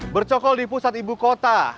bercokol di pusat ibu kota